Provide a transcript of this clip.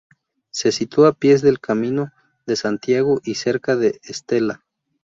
Se sitúa a pies del Camino de Santiago y cerca de Estella.